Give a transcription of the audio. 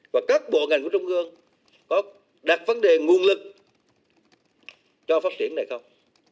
và các bộ ngành của trung ương có đặt vấn đề nguồn lực cho phát triển này không